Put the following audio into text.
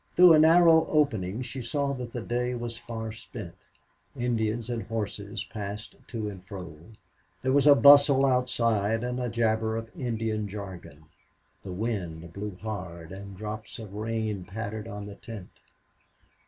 Through a narrow opening she saw that the day was far spent; Indians and horses passed to and fro; there was a bustle outside and jabber of Indian jargon; the wind blew hard and drops of rain pattered on the tent.